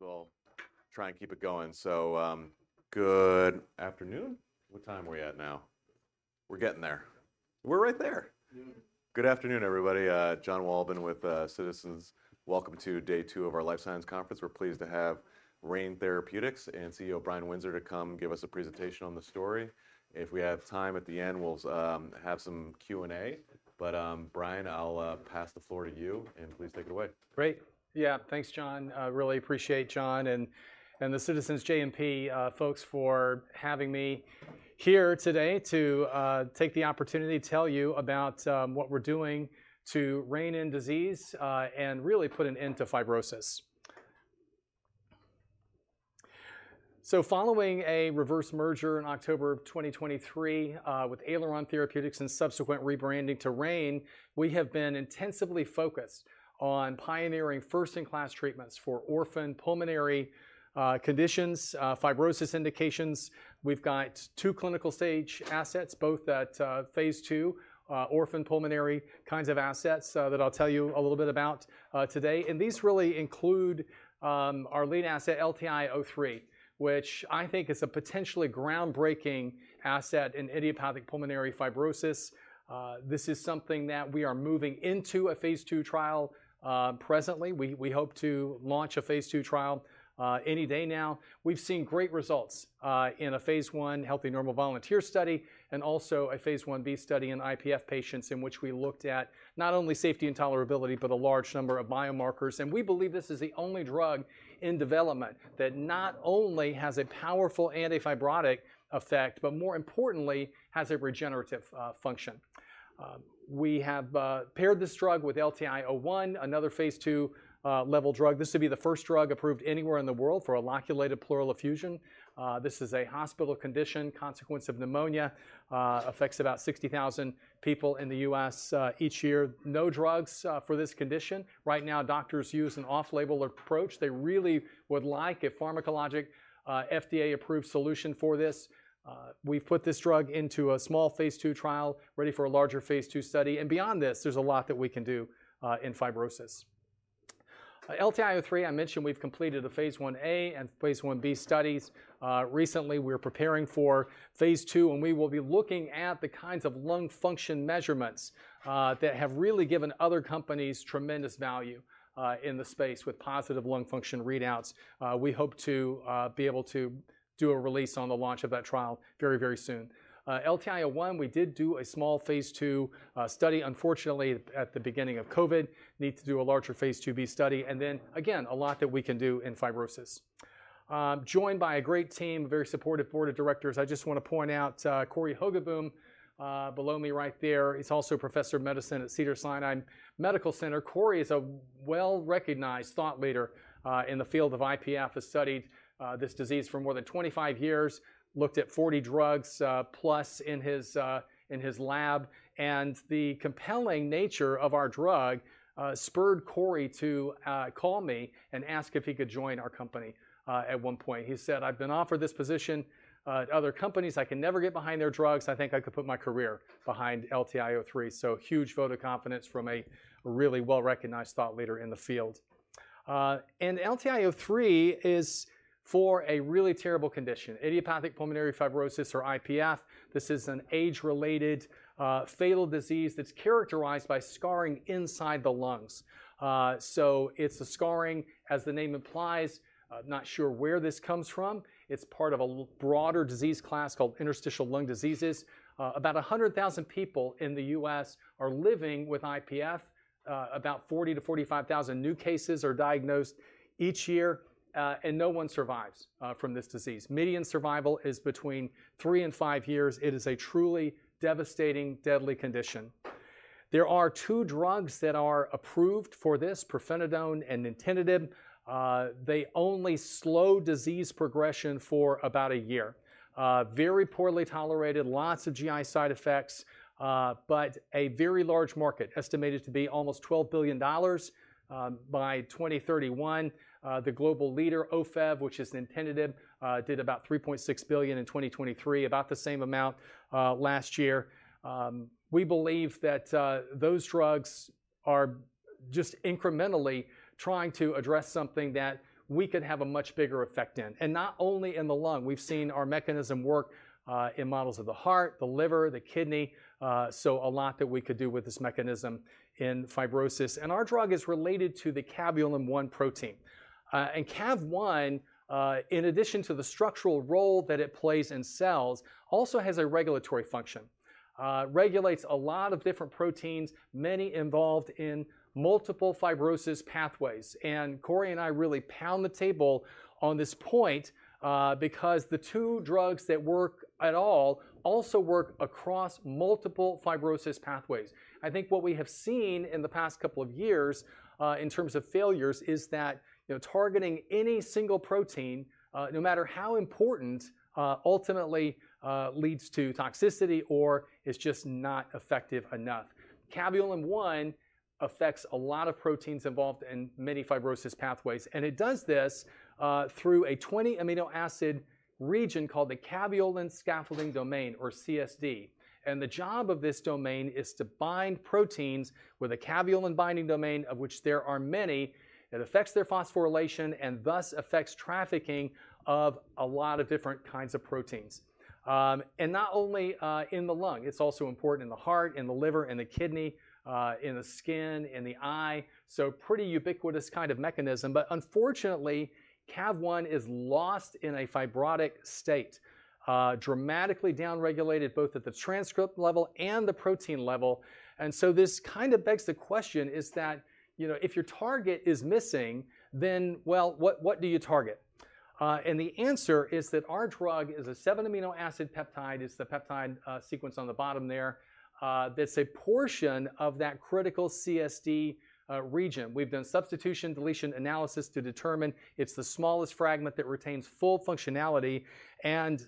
As well. Try and keep it going. Good afternoon. What time are we at now? We're getting there. We're right there. Good afternoon, everybody. John Walden with Citizens. Welcome to day two of our Life Science Conference. We're pleased to have Rein Therapeutics and CEO Brian Windsor to come give us a presentation on the story. If we have time at the end, we'll have some Q&A. Brian, I'll pass the floor to you, and please take it away. Great. Yeah, thanks, John. Really appreciate John and the Citizens JMP folks for having me here today to take the opportunity to tell you about what we're doing to rein in disease and really put an end to fibrosis. Following a reverse merger in October 2023 with Aileron Therapeutics and subsequent rebranding to Rein, we have been intensively focused on pioneering first-in-class treatments for orphan pulmonary conditions, fibrosis indications. We've got two clinical stage assets, both at phase two, orphan pulmonary kinds of assets, that I'll tell you a little bit about today. These really include our lead asset, LTIO3, which I think is a potentially groundbreaking asset in idiopathic pulmonary fibrosis. This is something that we are moving into a phase two trial presently. We hope to launch a phase two trial any day now. We've seen great results in a phase one healthy normal volunteer study and also a phase one B study in IPF patients in which we looked at not only safety and tolerability, but a large number of biomarkers. We believe this is the only drug in development that not only has a powerful antifibrotic effect, but more importantly, has a regenerative function. We have paired this drug with LTI-O1, another phase two level drug. This would be the first drug approved anywhere in the world for a loculated pleural effusion. This is a hospital condition, consequence of pneumonia, affects about 60,000 people in the US each year. No drugs for this condition. Right now, doctors use an off-label approach. They really would like a pharmacologic, FDA-approved solution for this. We've put this drug into a small phase two trial, ready for a larger phase two study. Beyond this, there's a lot that we can do in fibrosis. LTI-O3, I mentioned we've completed phase one A and phase one B studies recently. We're preparing for phase two, and we will be looking at the kinds of lung function measurements that have really given other companies tremendous value in the space with positive lung function readouts. We hope to be able to do a release on the launch of that trial very, very soon. LTI-O1, we did do a small phase two study, unfortunately, at the beginning of COVID. Need to do a larger phase two B study. Again, a lot that we can do in fibrosis. Joined by a great team, a very supportive board of directors. I just want to point out Corey Hogeboom, below me right there. He's also a professor of medicine at Cedars-Sinai Medical Center. Corey is a well-recognized thought leader in the field of IPF. He has studied this disease for more than 25 years, looked at 40 drugs plus in his lab. The compelling nature of our drug spurred Corey to call me and ask if he could join our company at one point. He said, "I've been offered this position at other companies. I can never get behind their drugs. I think I could put my career behind LTI-O3." Huge vote of confidence from a really well-recognized thought leader in the field. LTI-O3 is for a really terrible condition, idiopathic pulmonary fibrosis or IPF. This is an age-related, fatal disease that's characterized by scarring inside the lungs. It's a scarring, as the name implies. Not sure where this comes from. It's part of a broader disease class called interstitial lung diseases. About 100,000 people in the U.S. are living with IPF. About 40,000-45,000 new cases are diagnosed each year, and no one survives from this disease. Median survival is between three and five years. It is a truly devastating, deadly condition. There are two drugs that are approved for this: pirfenidone and nintedanib. They only slow disease progression for about a year. Very poorly tolerated, lots of GI side effects, but a very large market, estimated to be almost $12 billion by 2031. The global leader, OFEV, which is nintedanib, did about $3.6 billion in 2023, about the same amount last year. We believe that those drugs are just incrementally trying to address something that we could have a much bigger effect in. Not only in the lung. We have seen our mechanism work in models of the heart, the liver, the kidney. A lot that we could do with this mechanism in fibrosis. And our drug is related to the caveolin-1 protein. And caveolin-1, in addition to the structural role that it plays in cells, also has a regulatory function. Regulates a lot of different proteins, many involved in multiple fibrosis pathways. And Corey and I really pound the table on this point, because the two drugs that work at all also work across multiple fibrosis pathways. I think what we have seen in the past couple of years, in terms of failures, is that, you know, targeting any single protein, no matter how important, ultimately, leads to toxicity or is just not effective enough. Caveolin-1 affects a lot of proteins involved in many fibrosis pathways. And it does this, through a 20-amino acid region called the caveolin scaffolding domain, or CSD. The job of this domain is to bind proteins with a caveolin binding domain, of which there are many. It affects their phosphorylation and thus affects trafficking of a lot of different kinds of proteins. In the lung, it is also important in the heart, in the liver, in the kidney, in the skin, in the eye. Pretty ubiquitous kind of mechanism. Unfortunately, caveolin-1 is lost in a fibrotic state, dramatically downregulated both at the transcript level and the protein level. This kind of begs the question, you know, if your target is missing, then, what do you target? The answer is that our drug is a seven-amino acid peptide. It is the peptide sequence on the bottom there. That is a portion of that critical CSD region. We've done substitution-deletion analysis to determine it's the smallest fragment that retains full functionality. And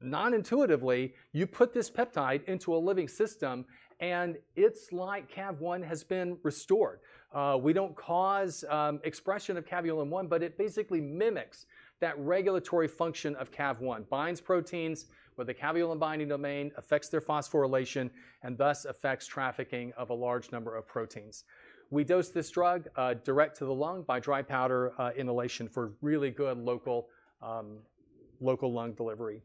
non-intuitively, you put this peptide into a living system and it's like CAV1 has been restored. We don't cause expression of caveolin-1, but it basically mimics that regulatory function of CAV1, binds proteins with the caveolin binding domain, affects their phosphorylation, and thus affects trafficking of a large number of proteins. We dose this drug direct to the lung by dry powder inhalation for really good local, local lung delivery.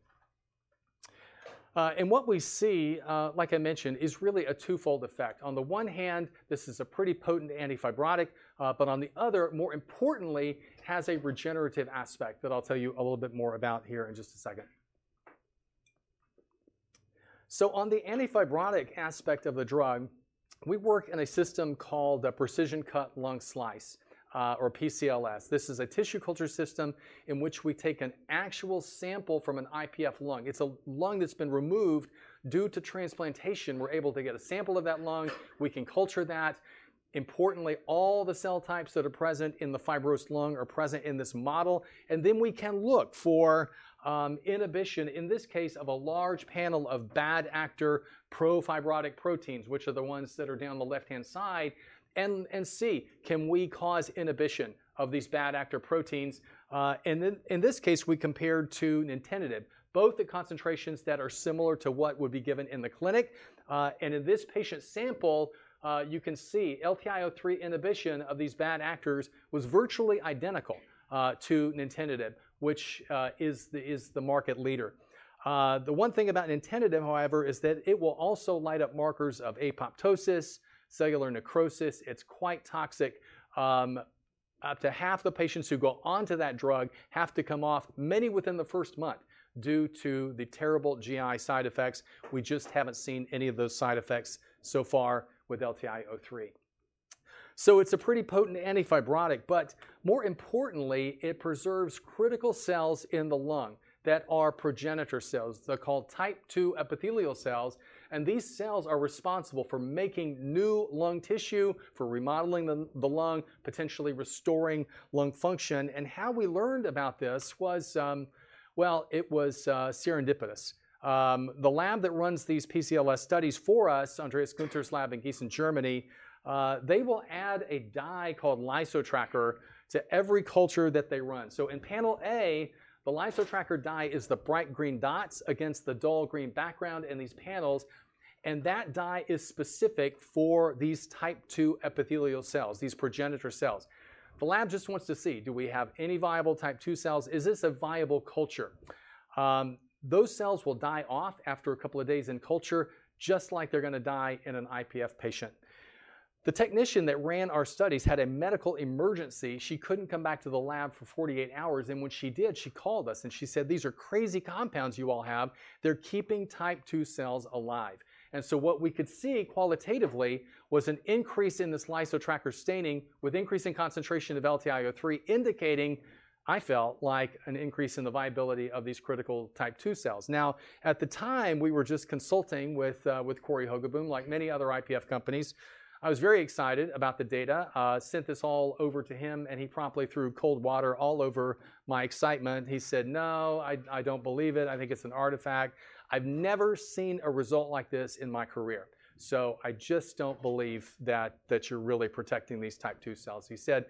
And what we see, like I mentioned, is really a twofold effect. On the one hand, this is a pretty potent antifibrotic, but on the other, more importantly, has a regenerative aspect that I'll tell you a little bit more about here in just a second. On the antifibrotic aspect of the drug, we work in a system called the precision cut lung slice, or PCLS. This is a tissue culture system in which we take an actual sample from an IPF lung. It is a lung that has been removed due to transplantation. We are able to get a sample of that lung. We can culture that. Importantly, all the cell types that are present in the fibrosed lung are present in this model. Then we can look for inhibition, in this case, of a large panel of bad actor pro-fibrotic proteins, which are the ones that are down the left-hand side, and see, can we cause inhibition of these bad actor proteins. In this case, we compared to nintedanib, both at concentrations that are similar to what would be given in the clinic. In this patient sample, you can see LTI-O3 inhibition of these bad actors was virtually identical to nintedanib, which is the market leader. The one thing about nintedanib, however, is that it will also light up markers of apoptosis, cellular necrosis. It's quite toxic. Up to half the patients who go onto that drug have to come off, many within the first month, due to the terrible GI side effects. We just haven't seen any of those side effects so far with LTI-O3. It's a pretty potent antifibrotic, but more importantly, it preserves critical cells in the lung that are progenitor cells. They're called type II epithelial cells. These cells are responsible for making new lung tissue, for remodeling the lung, potentially restoring lung function. How we learned about this was, it was serendipitous. The lab that runs these PCLS studies for us, Andreas Günther's lab in Gießen, Germany, they will add a dye called LysoTracker to every culture that they run. In panel A, the LysoTracker dye is the bright green dots against the dull green background in these panels. That dye is specific for these type II epithelial cells, these progenitor cells. The lab just wants to see, do we have any viable type II cells? Is this a viable culture? Those cells will die off after a couple of days in culture, just like they're going to die in an IPF patient. The technician that ran our studies had a medical emergency. She couldn't come back to the lab for 48 hours. When she did, she called us and she said, "These are crazy compounds you all have. They're keeping type II cells alive. What we could see qualitatively was an increase in this LysoTracker staining with increasing concentration of LTI-O3, indicating, I felt, like an increase in the viability of these critical type II cells. At the time, we were just consulting with Corey Hogeboom, like many other IPF companies. I was very excited about the data, sent this all over to him, and he promptly threw cold water all over my excitement. He said, "No, I don't believe it. I think it's an artifact. I've never seen a result like this in my career. I just don't believe that, that you're really protecting these type II cells." He said,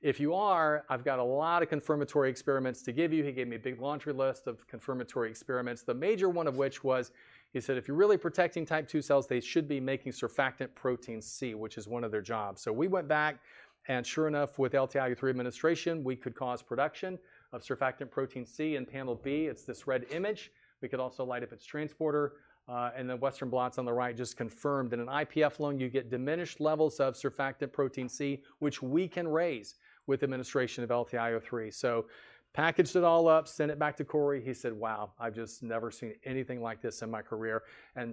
"If you are, I've got a lot of confirmatory experiments to give you." He gave me a big laundry list of confirmatory experiments, the major one of which was, he said, "If you're really protecting type II cells, they should be making surfactant protein C, which is one of their jobs." We went back and sure enough, with LTI-O3 administration, we could cause production of surfactant protein C in panel B. It's this red image. We could also light up its transporter, and the Western blots on the right just confirmed that in an IPF lung, you get diminished levels of surfactant protein C, which we can raise with administration of LTI-O3. Packaged it all up, sent it back to Corey. He said, "Wow, I've just never seen anything like this in my career."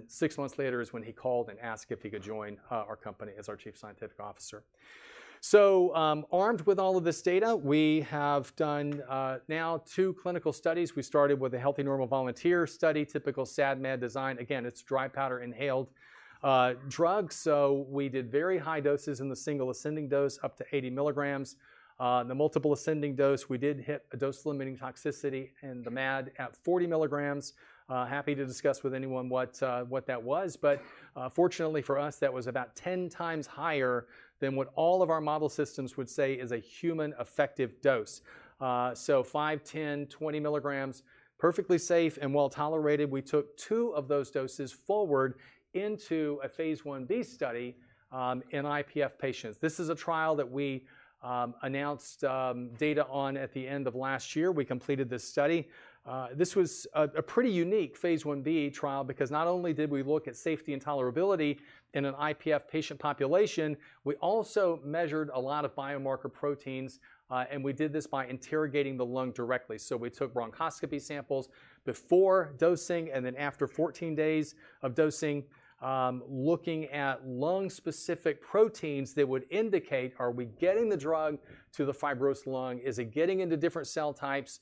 Six months later is when he called and asked if he could join our company as our Chief Scientific Officer. Armed with all of this data, we have done now two clinical studies. We started with a healthy normal volunteer study, typical SAD/MAD design. Again, it's dry powder inhaled drug. We did very high doses in the single ascending dose, up to 80 mgs. In the multiple ascending dose, we did hit a dose-limiting toxicity in the MAD at 40 mgs. Happy to discuss with anyone what that was. Fortunately for us, that was about 10x higher than what all of our model systems would say is a human effective dose. 5mgs, 10 mgs, 20 mgs, perfectly safe and well tolerated. We took two of those doses forward into a phase one B study, in IPF patients. This is a trial that we announced data on at the end of last year. We completed this study. This was a pretty unique phase one B trial because not only did we look at safety and tolerability in an IPF patient population, we also measured a lot of biomarker proteins. We did this by interrogating the lung directly. We took bronchoscopy samples before dosing and then after 14 days of dosing, looking at lung-specific proteins that would indicate, are we getting the drug to the fibrosed lung? Is it getting into different cell types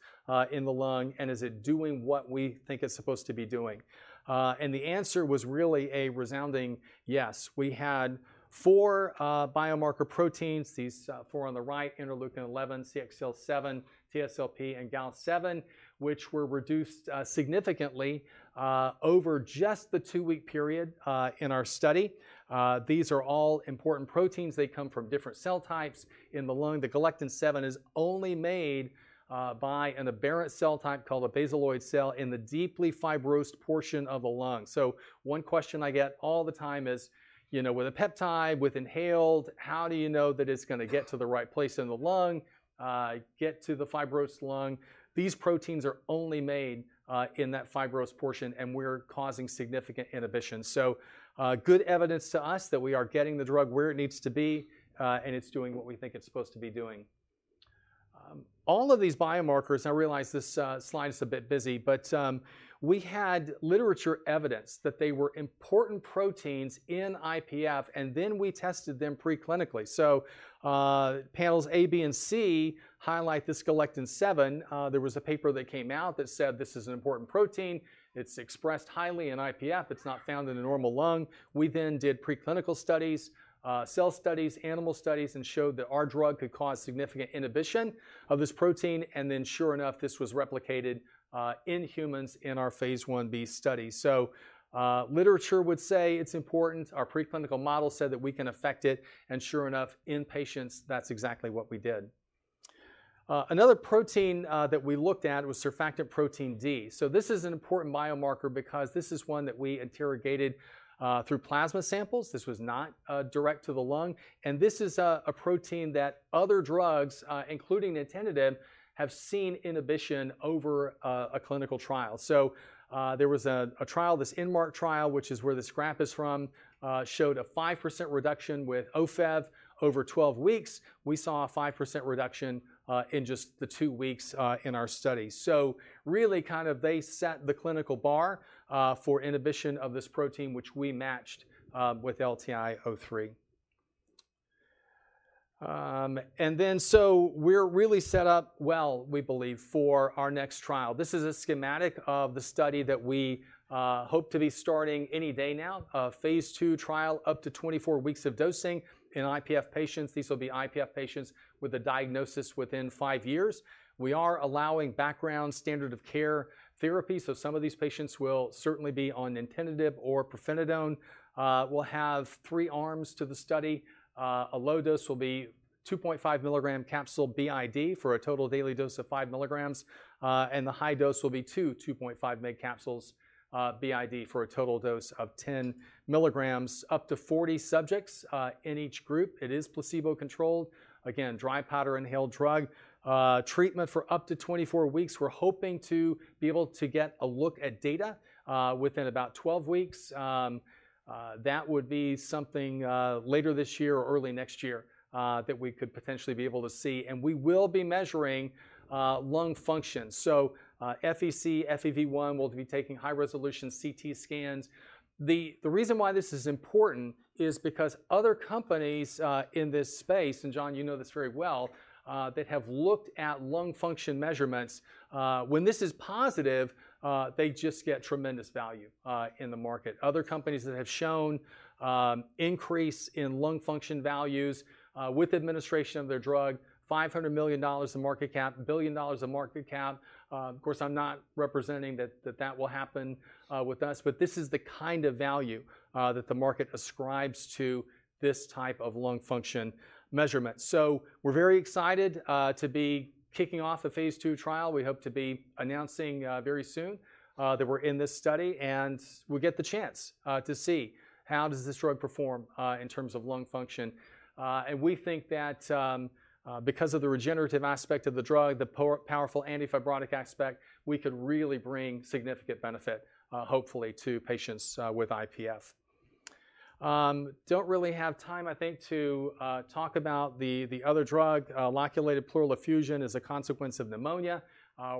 in the lung? Is it doing what we think it's supposed to be doing? The answer was really a resounding yes. We had four biomarker proteins, these four on the right, interleukin 11, CXCL7, TSLP, and GAL7, which were reduced significantly over just the two-week period in our study. These are all important proteins. They come from different cell types in the lung. The galectin-7 is only made by an aberrant cell type called a basaloid cell in the deeply fibrosed portion of the lung. One question I get all the time is, you know, with a peptide, with inhaled, how do you know that it's going to get to the right place in the lung, get to the fibrosed lung? These proteins are only made in that fibrosed portion, and we're causing significant inhibition. Good evidence to us that we are getting the drug where it needs to be, and it's doing what we think it's supposed to be doing. All of these biomarkers, I realize this slide is a bit busy, but we had literature evidence that they were important proteins in IPF, and then we tested them preclinically. Panels A, B, and C highlight this galectin-7. There was a paper that came out that said this is an important protein. It's expressed highly in IPF. It's not found in a normal lung. We then did preclinical studies, cell studies, animal studies, and showed that our drug could cause significant inhibition of this protein. Sure enough, this was replicated in humans in our phase 1b study. Literature would say it's important. Our preclinical model said that we can affect it. Sure enough, in patients, that's exactly what we did. Another protein that we looked at was surfactant protein D. This is an important biomarker because this is one that we interrogated through plasma samples. This was not direct to the lung. This is a protein that other drugs, including nintedanib, have seen inhibition over a clinical trial. There was a trial, this MARC trial, which is where this graph is from, showed a 5% reduction with Ofev over 12 weeks. We saw a 5% reduction in just the two weeks in our study. They set the clinical bar for inhibition of this protein, which we matched with LTI-O3. We are really set up well, we believe, for our next trial. This is a schematic of the study that we hope to be starting any day now, a phase two trial up to 24 weeks of dosing in IPF patients. These will be IPF patients with a diagnosis within five years. We are allowing background standard of care therapy. So, some of these patients will certainly be on nintedanib or pirfenidone. We'll have three arms to the study. A low dose will be 2.5 mgs capsule BID for a total daily dose of 5 mgs. And the high dose will be 2mgs, 2.5 mgs capsules, BID for a total dose of 10 mgs, up to 40 subjects in each group. It is placebo-controlled. Again, dry powder inhaled drug, treatment for up to 24 weeks. We're hoping to be able to get a look at data within about 12 weeks. That would be something, later this year or early next year, that we could potentially be able to see. And we will be measuring lung function. So, FVC, FEV1, we'll be taking high-resolution CT scans. The reason why this is important is because other companies in this space, and John, you know this very well, that have looked at lung function measurements, when this is positive, they just get tremendous value in the market. Other companies that have shown increase in lung function values with administration of their drug, $500 million in market cap, a billion dollars in market cap. Of course, I'm not representing that that will happen with us, but this is the kind of value that the market ascribes to this type of lung function measurement. We are very excited to be kicking off a phase two trial. We hope to be announcing very soon that we're in this study and we'll get the chance to see how does this drug perform in terms of lung function. We think that, because of the regenerative aspect of the drug, the powerful antifibrotic aspect, we could really bring significant benefit, hopefully to patients, with IPF. I do not really have time, I think, to talk about the other drug. Loculated pleural effusion is a consequence of pneumonia,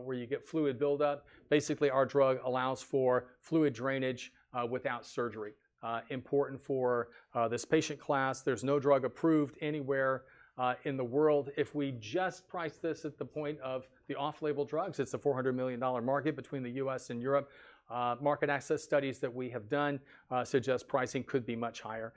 where you get fluid buildup. Basically, our drug allows for fluid drainage, without surgery. This is important for this patient class. There is no drug approved anywhere in the world. If we just price this at the point of the off-label drugs, it is a $400 million market between the U.S. and Europe. Market access studies that we have done suggest pricing could be much higher.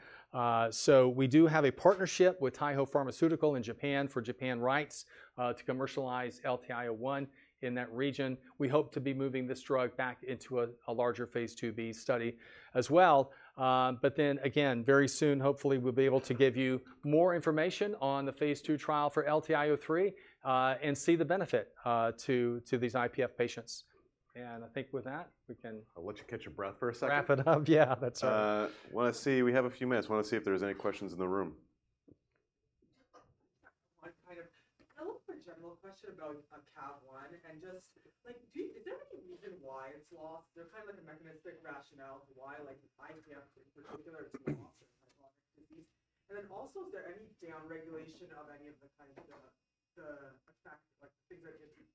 We do have a partnership with Taiho Pharmaceutical in Japan for Japan rights to commercialize LTI-O1 in that region. We hope to be moving this drug back into a larger phase two B study as well. but then again, very soon, hopefully we'll be able to give you more information on the phase two trial for LTI-O3, and see the benefit to these IPF patients. I think with that, we can— I'll let you catch your breath for a second. Wrap it up. Yeah, that's right. want to see, we have a few minutes. Want to see if there's any questions in the room. I have a general question about CAV1 and just like, do you, is there any reason why it's lost? Is there kind of like a mechanistic rationale for why, like IPF in particular, it's lost in fibrotic disease? And then also, is there any downregulation of any of the kind of the effect, like the things that it acts on in the IPF state?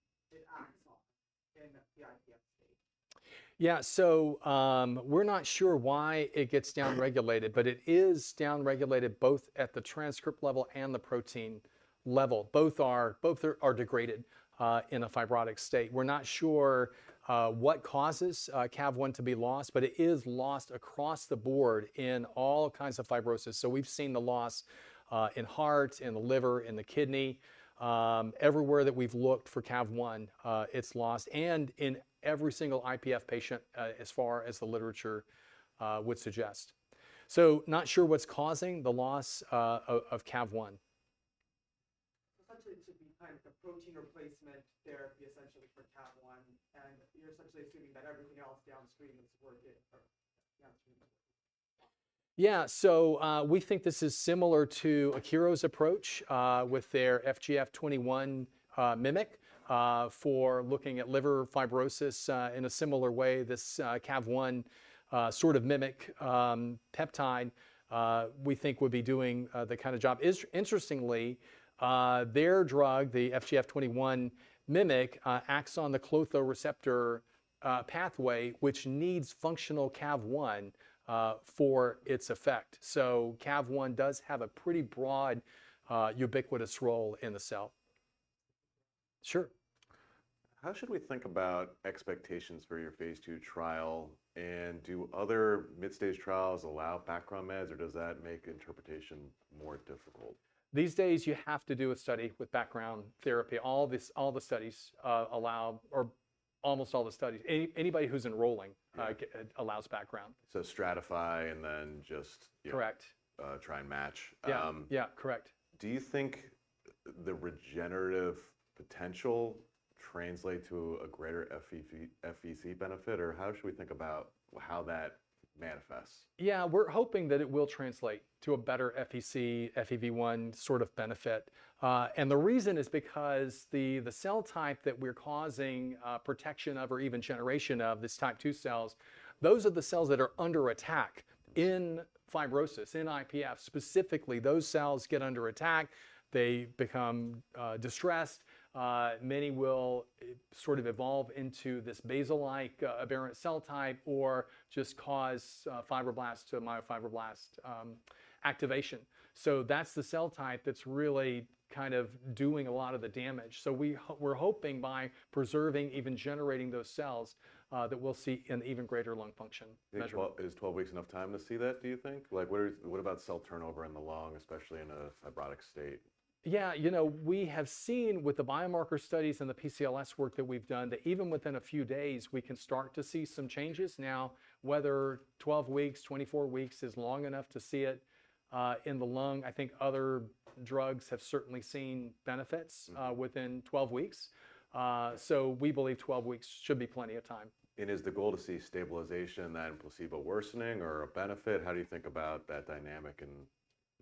Yeah. We're not sure why it gets downregulated, but it is downregulated both at the transcript level and the protein level. Both are degraded in a fibrotic state. We're not sure what causes CAV1 to be lost, but it is lost across the board in all kinds of fibrosis. We've seen the loss in heart, in the liver, in the kidney, everywhere that we've looked for CAV1, it's lost. In every single IPF patient, as far as the literature would suggest. Not sure what's causing the loss of CAV1. Essentially, it should be kind of a protein replacement therapy essentially for CAV1. You're essentially assuming that everything else downstream is working for downstream therapy. Yeah. We think this is similar to Akero's approach with their FGF21 mimic for looking at liver fibrosis in a similar way. This, CAV1, sort of mimic, peptide, we think would be doing, the kind of job. Interestingly, their drug, the FGF21 mimic, acts on the cloth receptor, pathway, which needs functional CAV1, for its effect. So, CAV1 does have a pretty broad, ubiquitous role in the cell. Sure. How should we think about expectations for your phase two trial? And do other mid-stage trials allow background meds, or does that make interpretation more difficult? These days, you have to do a study with background therapy. All this, all the studies, allow or almost all the studies, any, anybody who's enrolling, allows background. So, stratify and then just, you know. Correct. try and match. Yeah. Yeah. Correct. Do you think the regenerative potential translates to a greater FVC, FVC benefit, or how should we think about how that manifests? Yeah. We're hoping that it will translate to a better FVC, FEV1 sort of benefit. The reason is because the cell type that we're causing protection of or even generation of, these type II cells, those are the cells that are under attack in fibrosis, in IPF specifically. Those cells get under attack. They become distressed. Many will sort of evolve into this basaloid, aberrant cell type or just cause fibroblast to myofibroblast activation. That's the cell type that's really kind of doing a lot of the damage. We're hoping by preserving, even generating those cells, that we'll see an even greater lung function measure. Is 12 weeks enough time to see that, do you think? Like, what are you, what about cell turnover in the lung, especially in a fibrotic state? Yeah. You know, we have seen with the biomarker studies and the PCLS work that we've done that even within a few days, we can start to see some changes. Now, whether 12 weeks, 24 weeks is long enough to see it, in the lung, I think other drugs have certainly seen benefits, within 12 weeks. We believe 12 weeks should be plenty of time. Is the goal to see stabilization and placebo worsening or a benefit? How do you think about that dynamic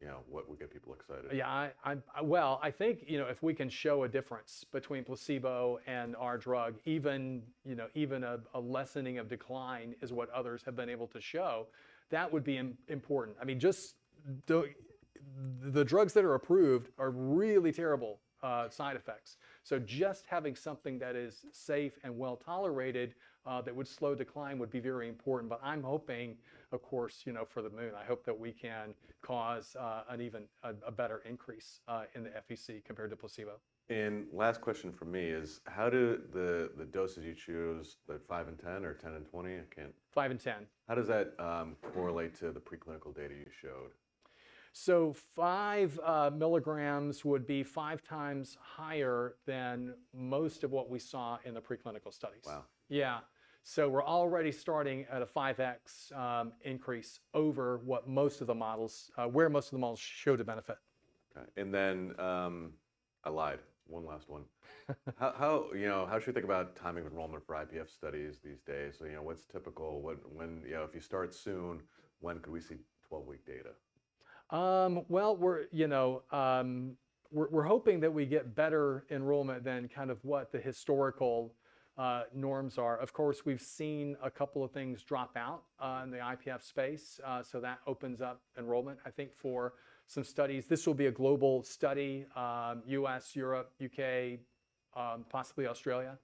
and, you know, what would get people excited? Yeah. I, I, well, I think, you know, if we can show a difference between placebo and our drug, even, you know, even a lessening of decline is what others have been able to show, that would be important. I mean, just the, the drugs that are approved are really terrible, side effects. Just having something that is safe and well tolerated, that would slow decline would be very important. I'm hoping, of course, you know, for the moon, I hope that we can cause an even a better increase in the FVC compared to placebo. Last question for me is how do the doses you choose, the five and 10 or 10 and 20? I can't. Five and 10. How does that correlate to the preclinical data you showed? 5mgs would be 5x higher than most of what we saw in the preclinical studies. Wow. Yeah. We're already starting at a 5x increase over what most of the models, where most of the models showed a benefit. Okay. I lied. One last one. How, you know, how should we think about timing of enrollment for IPF studies these days? You know, what's typical? When, you know, if you start soon, when could we see 12 week data? We're hoping that we get better enrollment than kind of what the historical norms are. Of course, we've seen a couple of things drop out in the IPF space, so that opens up enrollment, I think, for some studies. This will be a global study, U.S., Europe, U.K., possibly Australia.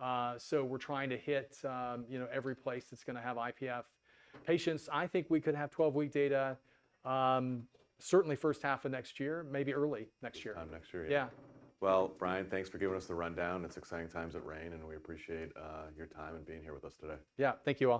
We're trying to hit, you know, every place that's going to have IPF patients. I think we could have 12 week data, certainly first half of next year, maybe early next year, Next year. Yeah. Brian, thanks for giving us the rundown. It's exciting times at Rein and we appreciate your time and being here with us today. Yeah. Thank you all.